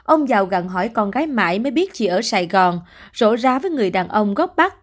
ông dầu gần hỏi con gái mãi mới biết chị ở sài gòn rổ ra với người đàn ông góc bắc